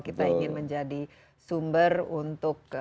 kita ingin menjadi sumber untuk